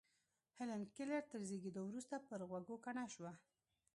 هېلېن کېلر تر زېږېدو وروسته پر غوږو کڼه شوه